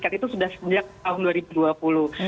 tidak ada penjualan tiket itu sudah sejak tahun dua ribu dua puluh